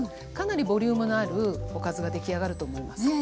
かなりボリュームのあるおかずが出来上がると思います。